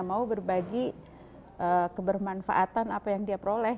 mau berbagi kebermanfaatan apa yang dia peroleh